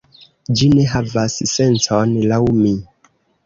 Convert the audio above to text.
Ĝi ne havas sencon laŭ mi